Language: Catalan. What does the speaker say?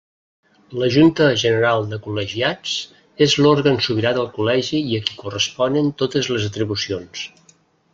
La Junta General de Col·legiats és l'òrgan sobirà del Col·legi i a qui corresponen totes les atribucions.